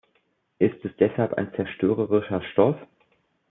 Ist es deshalb ein zerstörerischer Stoff?